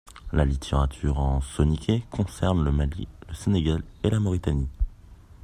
La littérature en soninké concerne le Mali, le Sénégal, et la Mauritanie.